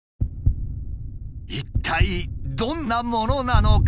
一体どんなものなのか？